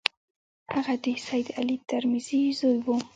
هغه د سید علي ترمذي زوی وو.